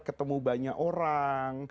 ketemu banyak orang